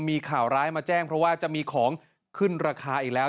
มีข่าวร้ายมาแจ้งเพราะว่าจะมีของขึ้นราคาอีกแล้ว